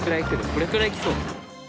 これくらい来そう。